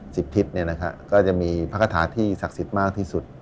สิบทิศเนี้ยนะฮะก็จะมีภักษาที่ศักดิ์สิบมากที่สุด